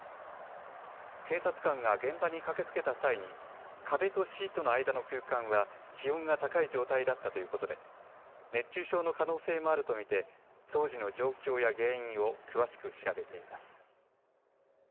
警察官が現場に駆けつけた際に壁とシートの間の空間は気温が高い状態だったということで熱中症の可能性もあると見て当時の状況や原因を詳しく調べています。